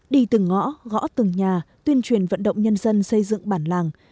đi từng ngõ gõ từng nhà tuyên truyền vận động nhân dân xây dựng bản làng